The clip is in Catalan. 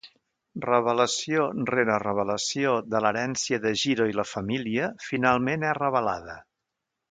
Revelació rere revelació de l'herència de Jiro i la família finalment és revelada.